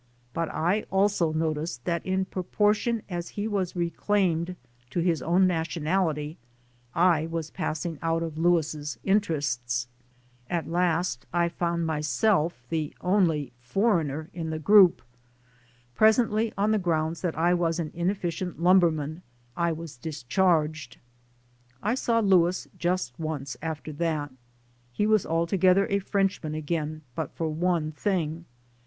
But I also noticed that in proportion as he was reclaimed to his own nationality, I was passing out of Louis' interests. At last I found myself the only "for 98 THE SOUL OF AN IMMIGRANT eigner" in the group. Presently, on the grounds that I was an inefficient lumberman, I was dis charged. I saw Louis just once after that. He was alto gether a Frenchman again, but for one thing.